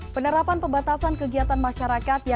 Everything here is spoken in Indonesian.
penerapan pembatasan kegiatan masyarakat